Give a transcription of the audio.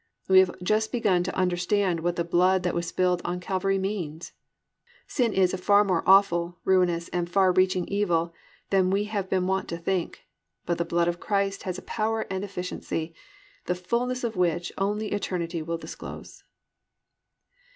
We have just begun to understand what the blood that was spilled on Calvary means. Sin is a far more awful, ruinous, and far reaching evil than we have been wont to think, but the blood of Christ has a power and efficiency, the fullness of which only eternity will disclose.